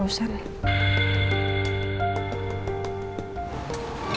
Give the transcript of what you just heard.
itu urusan apa kamu